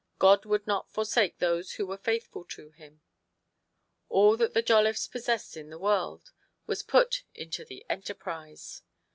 God would not forsake those who were faithful to Him. All that the Jolliffes possessed in the world was put into the enterprise.